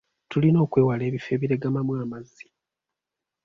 Tulina okwewala ebifo ebiregamamu amazzi.